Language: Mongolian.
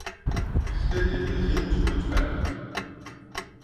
Гэхдээ тэдний хэн нь ч үхэж байгаагүй.